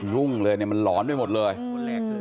ยุ่งเลยเนี่ยมันหลอนไปหมดเลย